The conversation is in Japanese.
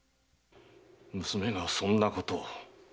娘がそんなことを。